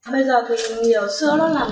bây giờ thì nhiều sữa đó là